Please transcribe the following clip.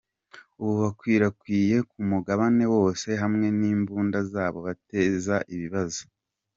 Ubu bakwirakwiye ku mugabane wose, hamwe n’imbunda zabo bateza ibibazo.